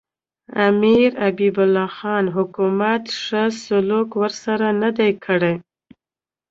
امیر حبیب الله خان حکومت ښه سلوک ورسره نه دی کړی.